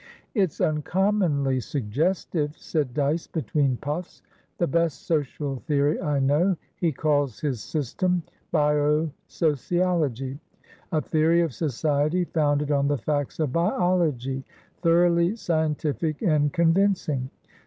"It's uncommonly suggestive," said Dyce, between puffs. "The best social theory I know. He calls his system Bio sociology; a theory of society founded on the facts of biologythoroughly scientific and convincing.